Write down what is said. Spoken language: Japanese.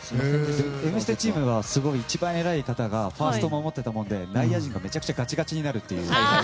「Ｍステ」チームは一番偉い方がファーストを守っていたもので内野陣がめちゃくちゃガチガチになるという。